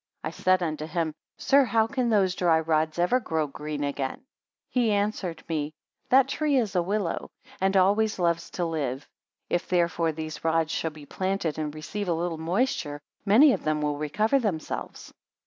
I said unto him; Sir, how can those dry rods ever grow green again? 17 He answered me; That tree. is a willow, and always loves to live. If therefore these rods shall be planted, and receive a little moisture, many of them will recover themselves.